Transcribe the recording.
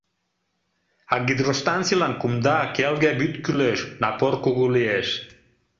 А гидростанцийлан кумда, келге вӱд кӱлеш, напор кугу лиеш.